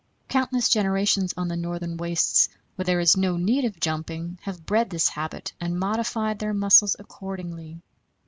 Countless generations on the northern wastes, where there is no need of jumping, have bred this habit, and modified their muscles accordingly.